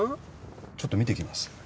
ちょっと見て来ます。